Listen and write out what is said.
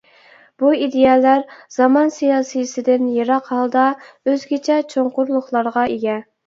بۇ ئىدىيەلەر زامان سىياسىيسىدىن يىراق ھالدا ئۆزگىچە چوڭقۇرلۇقلارغا ئىگە.